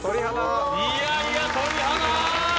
いやいや鳥肌！